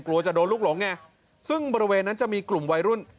กลัวจะโดนลูกหลงไงซึ่งบริเวณนั้นจะมีกลุ่มวัยรุ่น